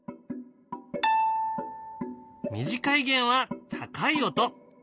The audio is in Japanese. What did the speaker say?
短い弦は高い音。